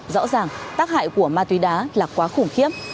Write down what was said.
rõ ràng tác hại của ma túy đá là quá khủng khiếp